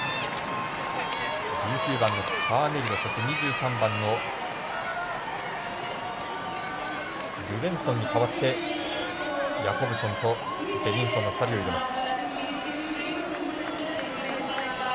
１９番のカーネリド２３番のルベンソンに代わってヤコブソンとベニソンの２人を入れます。